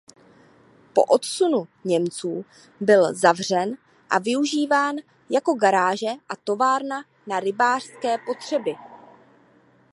Po odsunu Němců byl zavřen a využíván jako garáže a továrna na rybářské potřeby.